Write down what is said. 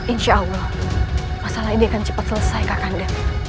insya allah masalah ini akan cepat selesai kak kanda